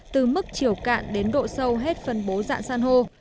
từ mức chiều cạn đến độ sâu hết phân bố dạng san hô